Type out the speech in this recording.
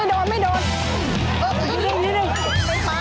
เห็นมะ